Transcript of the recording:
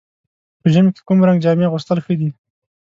په ژمي کې کوم رنګ جامې اغوستل ښه دي؟